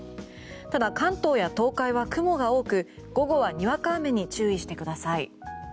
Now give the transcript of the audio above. ただ、関東や東海は雲が多く午後はにわか雨に注意してください。